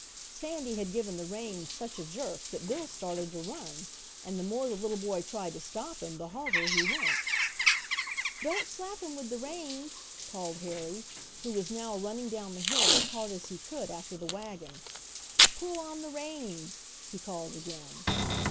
Sandy had given the reins such a jerk that Bill started to run, and the more the little boy tried to stop him the harder he went! "Don't slap him with the reins!" called Harry, who was now running down the hill as hard as he could after the wagon. "Pull on the reins!" he called again.